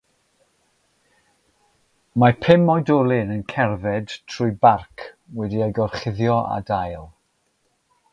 Mae pum oedolyn yn cerdded trwy barc wedi ei gorchuddio â dail.